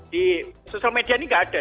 di sosial media ini nggak ada